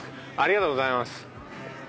ありがとうございます。